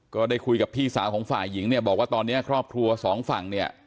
ก็ได้คุยกับพี่สาวของฝ่ายหญิงเนี่ยบอกว่าตอนนี้ครอบครัวสองฝั่งเนี่ย